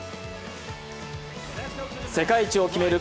世界一を決める